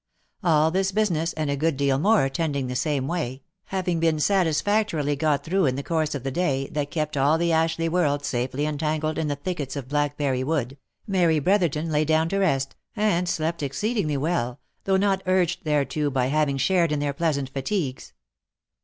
All this business, and a good deal more tending the same way, having been satisfactorily got through in the course of the day that kept all the Ashleigh world safely entangled in the thickets of Blackberry wood, Mary Brotherton lay down to rest, and slept exceedingly well, though not urged thereto by having shared in their pleasant fatigues.